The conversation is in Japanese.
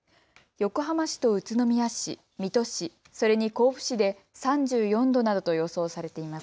横浜市と宇都宮市、水戸市、それに甲府市で３４度などと予想されています。